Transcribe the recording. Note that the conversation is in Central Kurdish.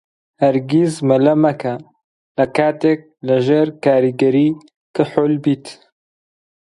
هەرگیز مەلە مەکە لە کاتێک لەژێر کاریگەریی کحوول بیت.